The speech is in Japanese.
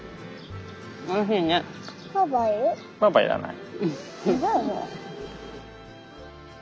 パパいらない。